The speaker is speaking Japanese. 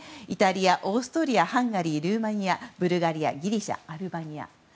イタリア、オーストリアハンガリー、ルーマニアブルガリア、ギリシャアルバニア。